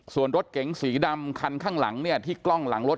ส่วนรถเก๋งสีดำคันข้างหลังเนี่ยที่กล้องหลังรถ